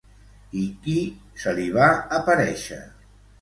I qui se li va aparèixer?